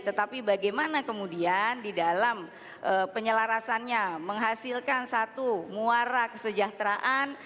tetapi bagaimana kemudian di dalam penyelarasannya menghasilkan satu muara kesejahteraan